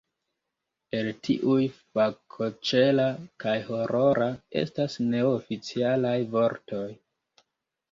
El tiuj, fakoĉera kaj horora estas neoficialaj vortoj.